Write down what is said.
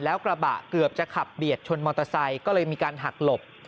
แล้วกระบะเกือบจะขับเบียดชนมอเตอร์ไซค์ก็เลยมีการหักหลบ